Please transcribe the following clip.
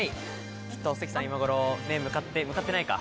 きっと関さん今頃向かって、向かってないか。